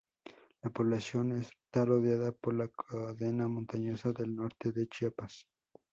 La población está rodeada por la cadena montañosa del norte de Chiapas.